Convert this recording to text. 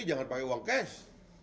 jangan pakai uang cash